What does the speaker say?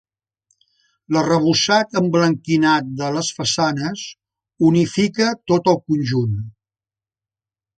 L’arrebossat emblanquinat de les façanes unifica tot el conjunt.